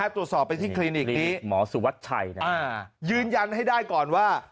ตรวจสอบไปที่คลินิกนี้ยืนยันให้ได้ก่อนว่า